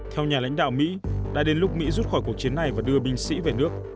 theo nhà lãnh đạo mỹ đã đến lúc mỹ rút khỏi cuộc chiến này và đưa binh sĩ về nước